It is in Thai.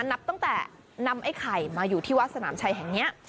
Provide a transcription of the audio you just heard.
นับตั้งแต่นำไอ้ไข่มาอยู่ที่วัดสนามชัยแห่งนี้